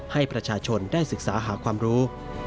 ให้ประชาชนได้ศึกษาหาความรู้